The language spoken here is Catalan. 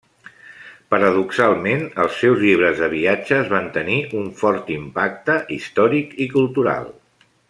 Paradoxalment, els seus llibres de viatges van tenir un fort impacte històric i cultural.